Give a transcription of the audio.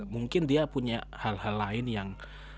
mungkin dia punya hal hal lain yang